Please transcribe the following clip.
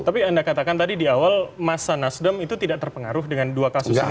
tapi anda katakan tadi di awal masa nasdem itu tidak terpengaruh dengan dua kasus ini